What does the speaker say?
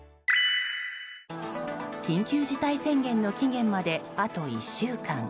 緊急事態宣言の期限まであと１週間。